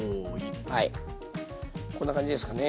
はいこんな感じですかね。